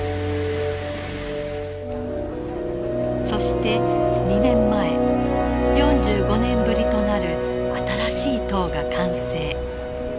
そして２年前４５年ぶりとなる新しい塔が完成。